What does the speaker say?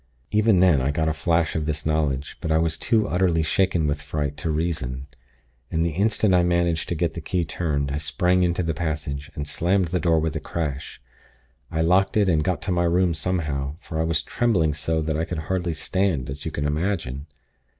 "Even then, I got a flash of this knowledge; but I was too utterly shaken with fright, to reason; and the instant I managed to get the key turned, I sprang into the passage, and slammed the door with a crash. I locked it, and got to my room somehow; for I was trembling so that I could hardly stand, as you can imagine.